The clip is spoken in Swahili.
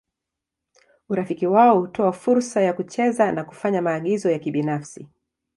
Urafiki wao hutoa fursa ya kucheza na kufanya maagizo ya kibinafsi.